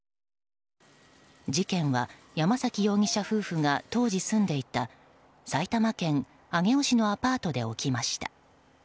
事件は山崎容疑者夫婦が当時、住んでいた埼玉県上尾市のアパートで起きました。